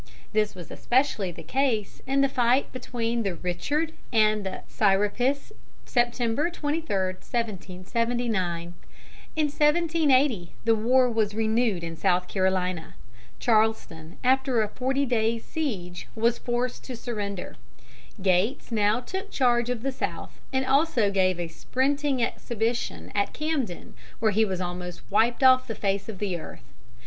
This was especially the case in the fight between the Richard and the Serapis, September 23, 1779. In 1780 the war was renewed in South Carolina. Charleston, after a forty days' siege, was forced to surrender. Gates now took charge of the South, and also gave a sprinting exhibition at Camden, where he was almost wiped off the face of the earth.